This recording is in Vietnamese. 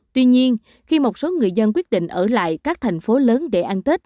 tuy nhiên khi một số người dân quyết định ở lại các thành phố lớn để ăn tết